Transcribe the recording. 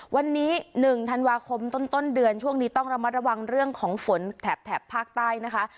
วันนี้๑ธันวาคมต้นเดือนช่วงนี้ต้องระมัดระวังเรื่องของฝนแถบภาคใต้นะคะ